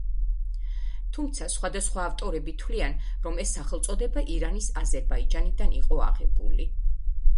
თუმცა, სხვადასხვა ავტორები თვლიან, რომ ეს სახელწოდება ირანის აზერბაიჯანიდან იყო აღებული.